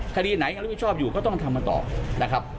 ถ้าคดีไหนรู้ชอบอยู่ก็ต้องทำมันต่อนะครับ